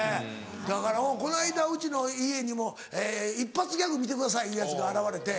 だからこの間うちの家にも「一発ギャグ見てください」いうヤツが現れて。